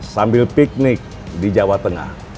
sambil piknik di jawa tengah